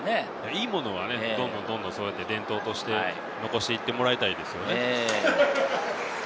いいものはどんどん伝統として残していってもらいたいですね。